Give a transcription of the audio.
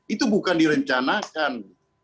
itu bukan direncanakan